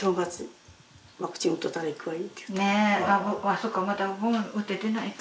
そっかまだお盆打ててないか。